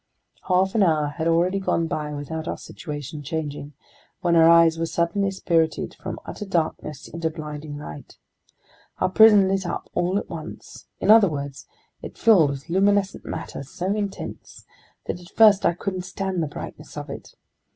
Half an hour had already gone by without our situation changing, when our eyes were suddenly spirited from utter darkness into blinding light. Our prison lit up all at once; in other words, it filled with luminescent matter so intense that at first I couldn't stand the brightness of it.